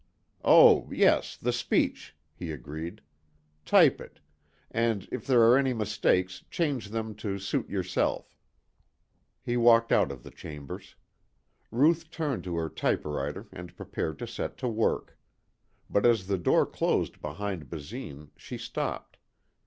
"Oh yes, the speech," he agreed. "Type it. And if there are any mistakes change them to suit yourself." He walked out of chambers. Ruth turned to her typewriter and prepared to set to work. But as the door closed behind Basine she stopped.